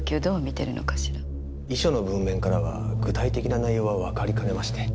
遺書の文面からは具体的な内容はわかりかねまして。